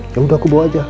ya udah aku bawa aja